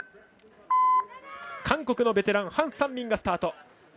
韓国のベテランハン・サンミンがスタート。